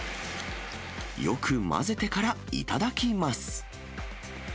よく混ぜてから頂きます。